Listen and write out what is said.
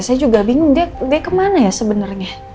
saya juga bingung dia kemana ya sebenarnya